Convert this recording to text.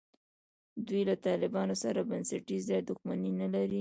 دوی له طالبانو سره بنسټیزه دښمني نه لري.